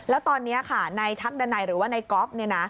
แล้วตอนนี้ค่ะในทักดันัยหรือว่านายก๊อฟเนี่ยนะ